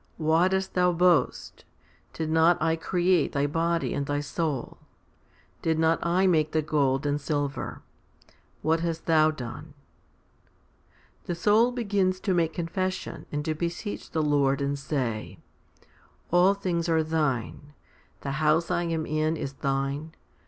" Why dost thou boast ? Did not I create thy body and thy soul ? Did not I make the gold and silver ? What hast thou done ?" The soul begins to make confession and to beseech the Lord, and say, " All things are Thine. The house I am in is Thine.